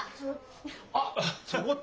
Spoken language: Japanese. あっ！